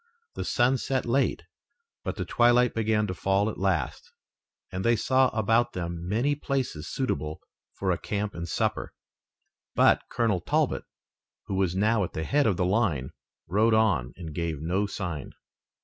The sun set late, but the twilight began to fall at last, and they saw about them many places suitable for a camp and supper. But Colonel Talbot, who was now at the head of the line, rode on and gave no sign.